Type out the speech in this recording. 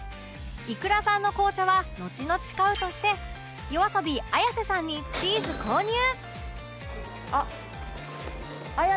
ｉｋｕｒａ さんの紅茶はのちのち買うとして ＹＯＡＳＯＢＩＡｙａｓｅ さんにチーズ購入